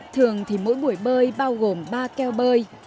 thường thì mỗi buổi bơi bao gồm ba keo bơi